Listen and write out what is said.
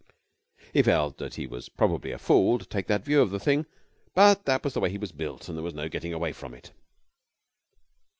He felt that he was probably a fool to take that view of the thing, but that was the way he was built and there was no getting away from it.